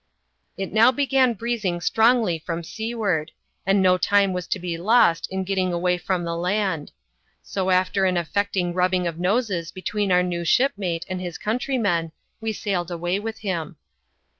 It now began breezing strongly from seaward, and no time was to be lost in getting away from the land; so after an affect ing rubbing of noses between our new shipmate and his coun trymen, we sailed away with him.